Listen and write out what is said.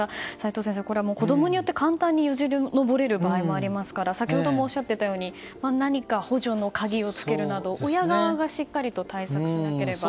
齋藤先生、子供によって簡単によじ登れる場合もありますから先ほどもおっしゃってたように何か、補助の鍵をつけるなど親側がしっかりと対策しなければ。